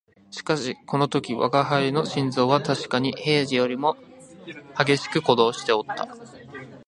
しかしこの時吾輩の心臓はたしかに平時よりも烈しく鼓動しておった